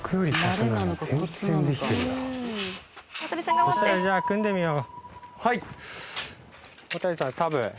そしたらじゃあ組んでみよう。